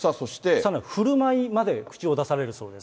さらにふるまいまで口を出されるそうです。